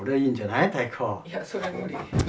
いやそれは無理。